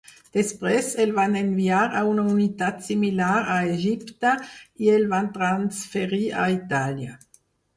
Després el van enviar a una unitat similar a Egipte i el van transferir a Itàlia.